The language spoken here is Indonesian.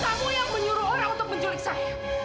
kamu yang menyuruh orang untuk menjulik saya